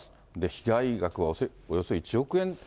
被害額はおよそ１億円。